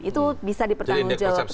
itu bisa dipertanggung jawabkan